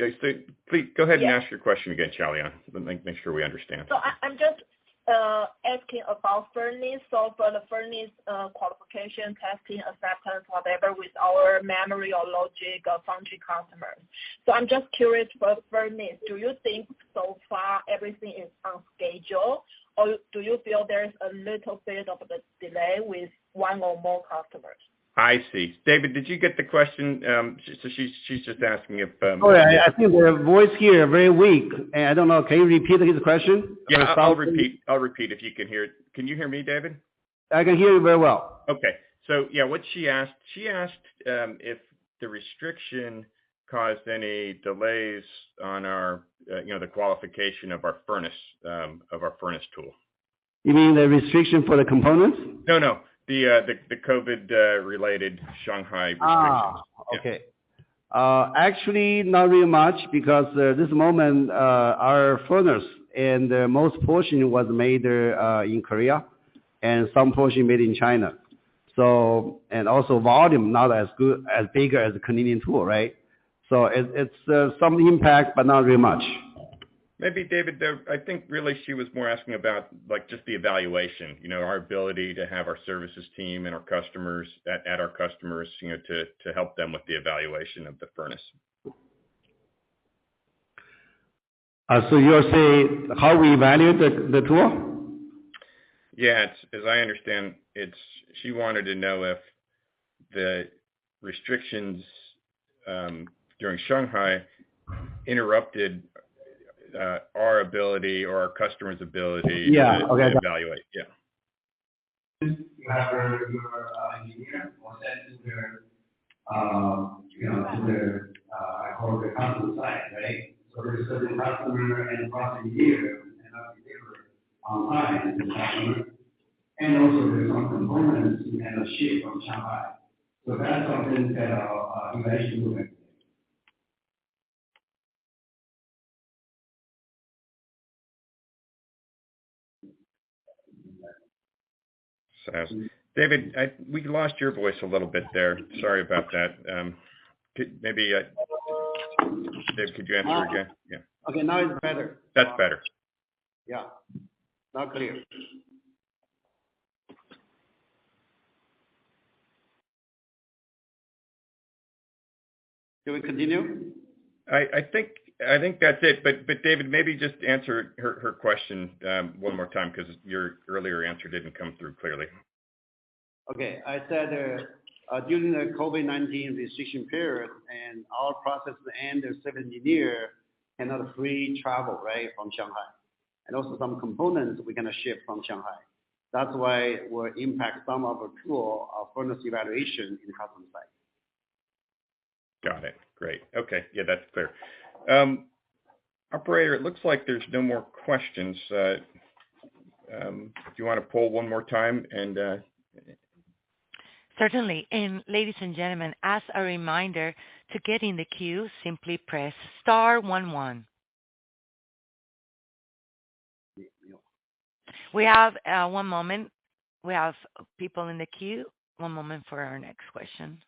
Speaker 4: Please go ahead and ask your question again, Chao Lien. Let me make sure we understand.
Speaker 9: I'm just asking about furnace. For the furnace, qualification, testing, acceptance, whatever, with our memory or logic or foundry customer. I'm just curious for the furnace, do you think so far everything is on schedule, or do you feel there is a little bit of a delay with one or more customers?
Speaker 4: I see. David, did you get the question? She's just asking if,
Speaker 3: Oh, yeah. I think your voice here very weak. I don't know. Can you repeat the question?
Speaker 4: Yes, I'll repeat. I'll repeat, if you can hear. Can you hear me, David?
Speaker 3: I can hear you very well.
Speaker 4: Yeah, what she asked, if the restriction caused any delays on our, you know, the qualification of our furnace tool.
Speaker 3: You mean the restriction for the components?
Speaker 4: No, no. The COVID-related Shanghai restrictions.
Speaker 3: Actually, not very much because this moment our furnace and most portion was made in Korea and some portion made in China. And also volume not as good as big as Canadian tool, right? It's some impact, but not very much.
Speaker 4: Maybe, David, I think really she was more asking about, like, just the evaluation. You know, our ability to have our services team and our customers at our customers, you know, to help them with the evaluation of the furnace.
Speaker 3: You are saying how we evaluate the tool?
Speaker 4: Yes. As I understand, she wanted to know if the restrictions during Shanghai interrupted our ability or our customer's ability.
Speaker 3: Yeah. Okay.
Speaker 4: to evaluate. Yeah.
Speaker 3: You have your engineer is sent to the customer site, right? I call it the customer site. The customer and customer engineer cannot deliver on time to the customer. Also there are some components we cannot ship from Shanghai. That's something that our evaluation movement.
Speaker 4: David, we lost your voice a little bit there. Sorry about that. Maybe, Dave, could you answer again?
Speaker 3: Okay, now it's better.
Speaker 4: That's better.
Speaker 3: Yeah. Now clear. Can we continue?
Speaker 4: I think that's it. David, maybe just answer her question one more time, 'cause your earlier answer didn't come through clearly.
Speaker 3: Okay. I said during the COVID-19 restriction period and our process and the service engineer cannot freely travel, right? From Shanghai. Also some components we cannot ship from Shanghai. That's why it will impact some of our tool, our furnace evaluation in customer site.
Speaker 4: Got it. Great. Okay. Yeah, that's clear. Operator, it looks like there's no more questions. Do you wanna poll one more time and...
Speaker 1: Certainly. Ladies and gentlemen, as a reminder, to get in the queue, simply press star one one. We have one moment. We have people in the queue. One moment for our next question.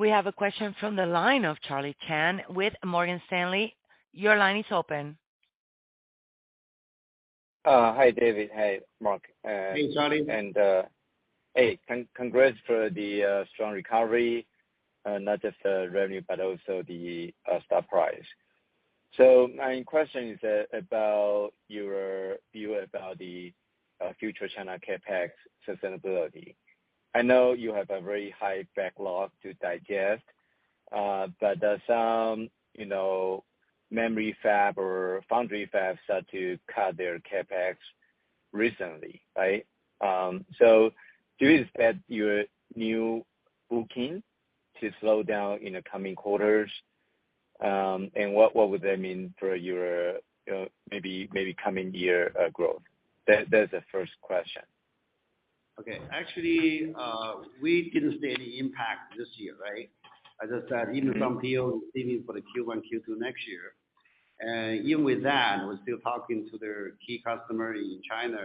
Speaker 1: We have a question from the line of Charlie Chan with Morgan Stanley. Your line is open.
Speaker 10: Hi, David. Hey, Mark.
Speaker 3: Hey, Charlie.
Speaker 10: Hey, congrats for the strong recovery, not just the revenue, but also the stock price. My question is about your view about the future China CapEx sustainability. I know you have a very high backlog to digest, but does some, you know, memory fab or foundry fab start to cut their CapEx recently, right? Do you expect your new booking to slow down in the coming quarters? What would that mean for your maybe coming year growth? That's the first question.
Speaker 3: Okay. Actually, we didn't see any impact this year, right? As I said, even some deals slipping for the Q1, Q2 next year. Even with that, we're still talking to their key customer in China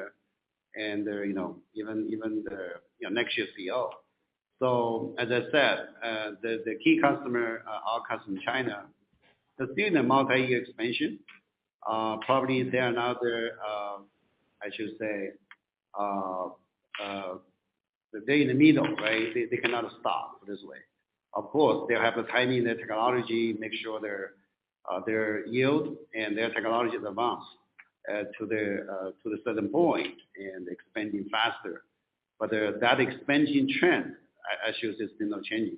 Speaker 3: and, you know, even the next year CEO. As I said, the key customer, our customer in China, they're still in a multi-year expansion. Probably they are not, I should say, they're in the middle, right? They cannot stop this way. Of course, they have to time their technology, make sure their yield and their technology advance to the certain point and expanding faster. That expansion trend, I should say, still not changing.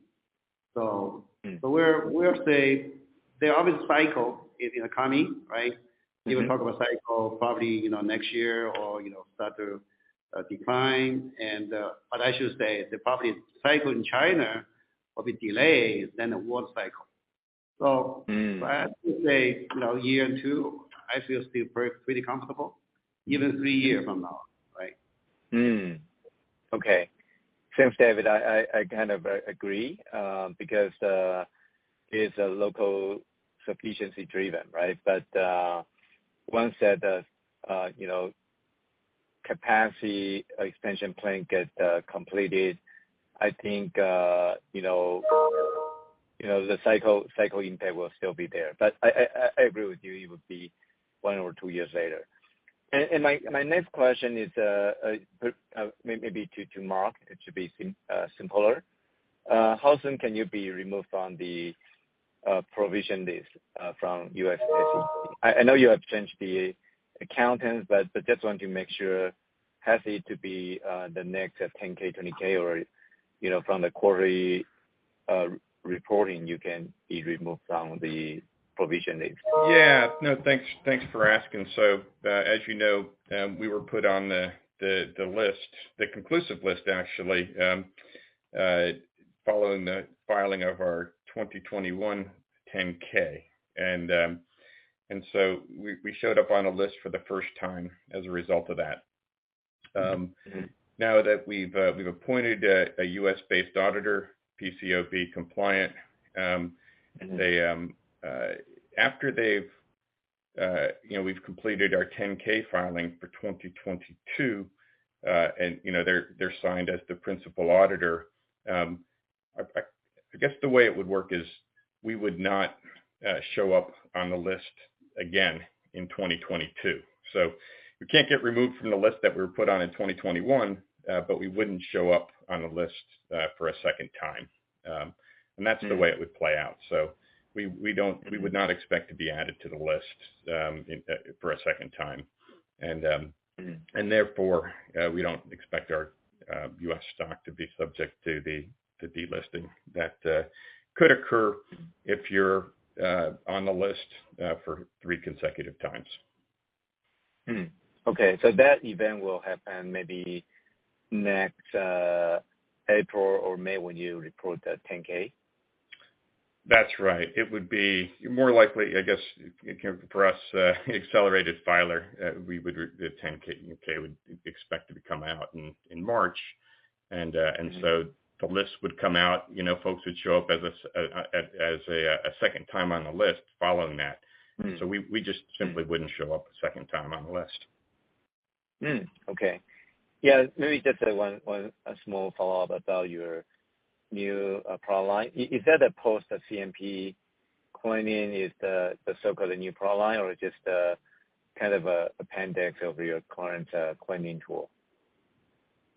Speaker 10: Mm.
Speaker 3: We're saying there are obvious cycles, you know, coming, right?
Speaker 10: Mm-hmm.
Speaker 3: You talk about cycle probably, you know, next year or, you know, start to decline and. I should say, the probably cycle in China will be later than the world cycle.
Speaker 10: Mm.
Speaker 3: I have to say, you know, year two, I feel still pretty comfortable. Even three year from now, right?
Speaker 10: Thanks, David. I kind of agree because it's a local sufficiency driven, right? Once that you know, capacity expansion plan gets completed, I think you know, the cycle impact will still be there. I agree with you, it would be one or two years later. My next question is maybe to Mark. It should be simpler. How soon can you be removed from the provision list from U.S. SEC? I know you have changed the accountants, but just want to make sure, has it to be the next 10-K, 20-F or you know, from the quarterly reporting you can be removed from the provision list?
Speaker 4: Yeah. No, thanks for asking. So, as you know, we were put on the list, the conclusive list actually, following the filing of our 2021 10-K. We showed up on a list for the first time as a result of that.
Speaker 10: Mm-hmm.
Speaker 4: Now that we've appointed a U.S.-based auditor, PCAOB compliant.
Speaker 10: Mm-hmm.
Speaker 4: After they've, you know, we've completed our 10-K filing for 2022, and, you know, they're signed as the principal auditor. I guess the way it would work is we would not show up on the list again in 2022. We can't get removed from the list that we were put on in 2021, but we wouldn't show up on the list for a second time. That's-
Speaker 10: Mm.
Speaker 4: the way it would play out. We would not expect to be added to the list in for a second time. And
Speaker 10: Mm.
Speaker 4: Therefore, we don't expect our U.S. stock to be subject to the delisting that could occur if you're on the list for three consecutive times.
Speaker 10: That event will happen maybe next April or May when you report that 10-K?
Speaker 4: That's right. It would be more likely, I guess, you know, for us, accelerated filer. We would expect the 10-K to come out in March.
Speaker 10: Mm.
Speaker 4: The list would come out, you know, folks would show up as a second time on the list following that.
Speaker 10: Mm.
Speaker 4: We just simply wouldn't show up a second time on the list.
Speaker 10: Okay. Maybe just one small follow-up about your new product line. Is that a post CMP cleaning? Is the so-called new product line or just a kind of appendix of your current cleaning tool?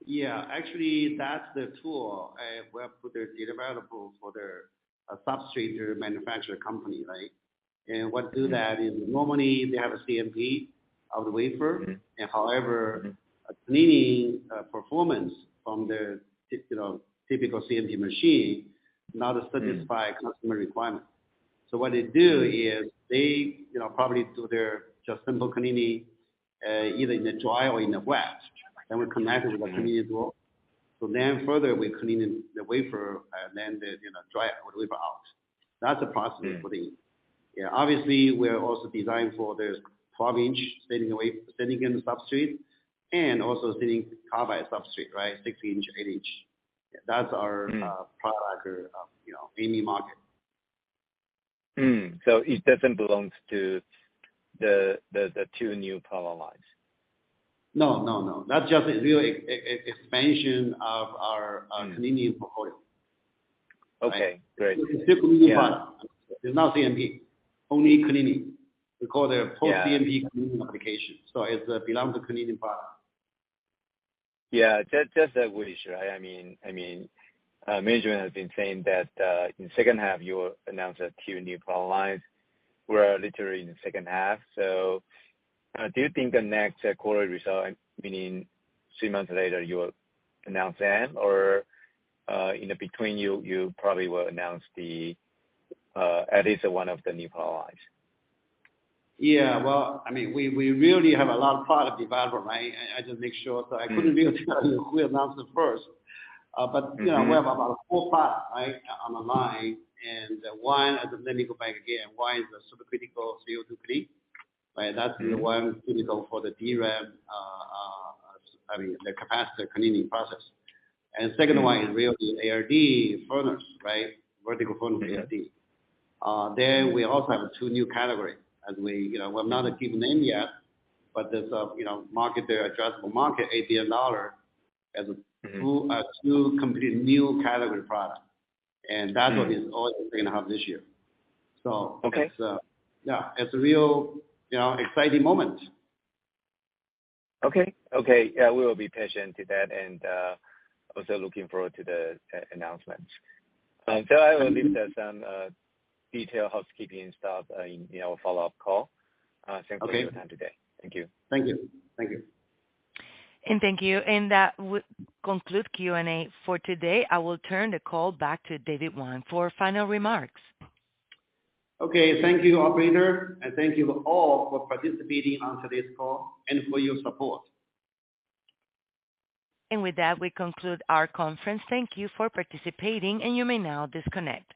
Speaker 3: Yeah. Actually, that's the tool where they put their data variable for their substrate manufacturer company, right? What they do is normally they have a CMP of the wafer.
Speaker 10: Mm.
Speaker 3: And however-
Speaker 10: Mm.
Speaker 3: Cleaning performance from their typical CMP machine does not satisfy customer requirements. What they do is they probably do just simple cleaning either in the dry or in the wet, and we connect it with a cleaning tool. Then further we clean the wafer, and then they dry it or leave it out. That's a process for the
Speaker 10: Mm.
Speaker 3: Yeah. Obviously, we're also designed for this 12-inch silicon substrate, and also silicon carbide substrate, right? 6-inch, 8-inch. That's our,
Speaker 10: Mm.
Speaker 3: product after, you know, any market.
Speaker 10: It doesn't belongs to the two new product lines?
Speaker 3: No, no. That's just a real expansion of our cleaning portfolio.
Speaker 10: Okay. Great.
Speaker 3: It's a simple cleaning product.
Speaker 10: Yeah.
Speaker 3: It's not CMP, only cleaning. We call the post-
Speaker 10: Yeah.
Speaker 3: CMP cleaning application. It belongs to cleaning product.
Speaker 10: Yeah. Just to be really sure. I mean, management has been saying that in the second half, you'll announce that two new product lines. We're literally in the second half, so do you think the next quarter result, meaning three months later, you will announce them? Or in between, you probably will announce at least one of the new product lines?
Speaker 3: Yeah. Well, I mean, we really have a lot of product development. I just make sure that I couldn't really tell you we announce it first.
Speaker 10: Mm-hmm.
Speaker 3: You know, we have about four products, right, on the line. One, let me go back again. One is a supercritical CO2 clean, right? That's the one critical for the DRAM, I mean, the capacitor cleaning process. Second one is really the ALD furnace, right? Vertical furnace ALD. Then we also have two new category as we, you know, we've not given name yet, but there's a, you know, market there, addressable market, $80 billion as a two-
Speaker 10: Mm.
Speaker 3: two complete new category product. That's what is all in the second half of this year.
Speaker 10: Okay.
Speaker 3: Yeah, it's a real, you know, exciting moment.
Speaker 10: Okay. Yeah, we will be patient to that and also looking forward to the announcement. I will leave that some detail housekeeping stuff in, you know, a follow-up call. Thanks for
Speaker 3: Okay.
Speaker 10: Thank you for your time today. Thank you.
Speaker 3: Thank you. Thank you.
Speaker 1: Thank you. That would conclude Q&A for today. I will turn the call back to David Wang for final remarks.
Speaker 3: Okay. Thank you, operator, and thank you all for participating on today's call and for your support.
Speaker 1: With that, we conclude our conference. Thank you for participating, and you may now disconnect.